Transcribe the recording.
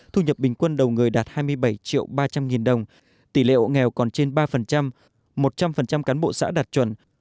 thu nhập bình quân đầu người đạt hai mươi bảy triệu ba trăm linh nghìn đồng tỷ lệ hộ nghèo còn trên ba một trăm linh cán bộ xã đạt chuẩn